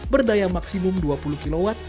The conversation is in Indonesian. berdaya maksimum dua puluh kw